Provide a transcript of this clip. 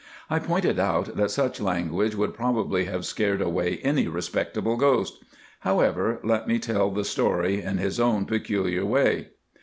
I pointed out that such language would probably have scared away any respectable ghost. However, let me tell the story in his own peculiar way.